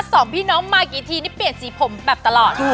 สองพี่น้องมากี่ทีนี่เปลี่ยนสีผมแบบตลอด